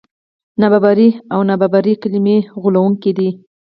نابرابري او برابري کلمې غولوونکې دي.